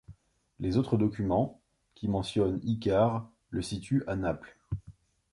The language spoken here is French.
Les autres documents qui mentionnent Ycart, le situent à Naples.